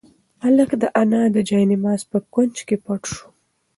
هلک د انا د جاینماز په کونج کې پټ شو.